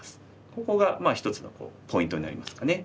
ここが一つのポイントになりますかね。